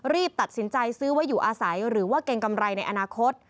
ตัดสินใจซื้อไว้อยู่อาศัยหรือว่าเกรงกำไรในอนาคต